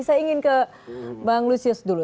saya ingin ke bang lusius dulu